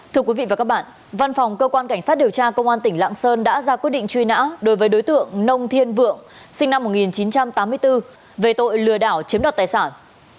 thưa quý vị và các bạn văn phòng cơ quan cảnh sát điều tra công an tỉnh lạng sơn đã ra quyết định truy nã đối với đối tượng nông thiên vượng sinh năm một nghìn chín trăm tám mươi bốn về tội lừa đảo chiếm đoạt tài sản